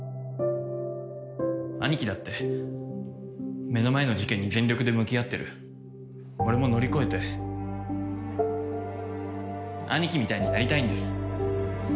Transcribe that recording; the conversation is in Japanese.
兄貴だって目の前の事件に全力で向き俺も乗り越えて兄貴みたいになりたいんです